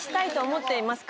思っています。